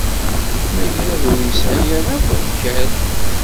Amagrad-a ur yesɛi ara akk azal.